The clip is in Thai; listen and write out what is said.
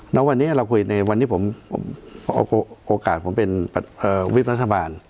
แล้ววันนี้เราคุยในวันนี้ผมเอาโอกาสผมเป็นวิบรัฐบาล